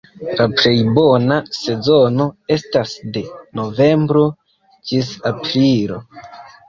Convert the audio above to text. La plej bona sezono estas de novembro ĝis aprilo.